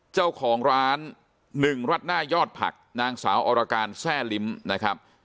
เจ้าของร้านหนึ่งรัดหน้ายอดผักนางสาวอรการแทร่ลิ้มนะครับ